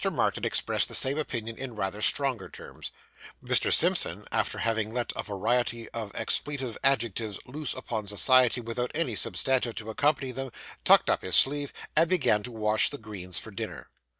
Martin expressed the same opinion in rather stronger terms; Mr. Simpson, after having let a variety of expletive adjectives loose upon society without any substantive to accompany them, tucked up his sleeves, and began to wash the greens for dinner.